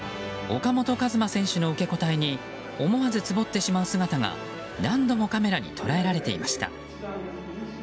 岡本和真選手の受け答えに思わずツボってしまう姿が何度もカメラに捉えられていました。